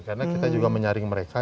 karena kita juga menyaring mereka